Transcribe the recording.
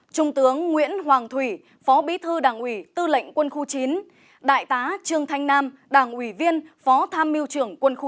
trung tướng nguyễn hoàng thủy phó bí thư đảng ủy tư lệnh quân khu chín đại tá trương thanh nam đảng ủy viên phó tham mưu trưởng quân khu chín